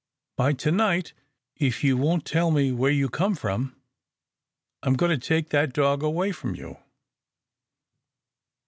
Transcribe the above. "By to night if you won't tell me where you come from, I'm going to take that dog away from you."